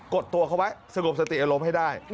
ดตัวเขาไว้สงบสติอารมณ์ให้ได้